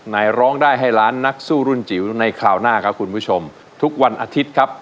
ร้องได้ให้ล้านนักสู้รุ่นจิ๋วในคราวหน้าครับคุณผู้ชมทุกวันอาทิตย์ครับ